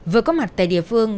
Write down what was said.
vừa có mặt tại địa phương